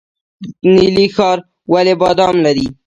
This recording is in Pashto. نیلي ښار ولې بادام لري؟